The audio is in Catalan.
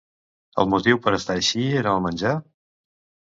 El motiu per estar així era el menjar?